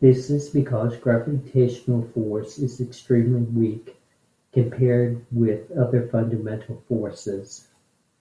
This is because the gravitational force is extremely weak compared with other fundamental forces.